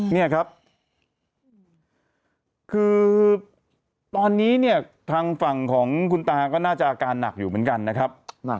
นี่ครับคือตอนนี้เนี่ยทางฝั่งของคุณตาก็น่าจะอาการหนักอยู่เหมือนกันนะครับ